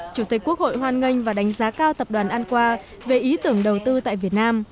chủ tịch quốc hội hoan nghênh và đánh giá cao tập đoàn anqua về ý tưởng đầu tư tại việt nam